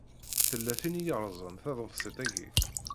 Tella tin i yeṛẓan taḍebsit-aki.